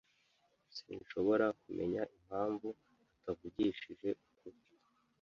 Sinshobora kumenya impamvu atavugishije ukuri.